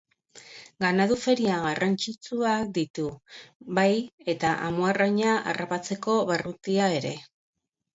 Ganadu-feria garrantzitsuak ditu, bai eta amuarraina harrapatzeko barrutia ere.